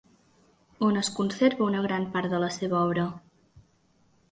On es conserva una gran part de la seva obra?